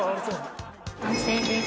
完成です。